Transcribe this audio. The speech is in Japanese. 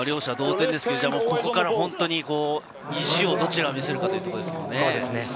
両者同点ですけれど、ここから意地をどちらが見せるかというところですよね。